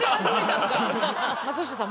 松下さん